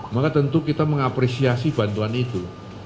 maka tentu kita mengapresiasi bantuan itu